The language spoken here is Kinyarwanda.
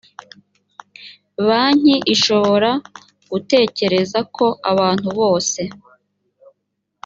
banki ishobora gutekereza ko abantu bose